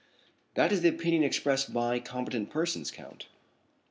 "That is the opinion expressed by competent persons, Count.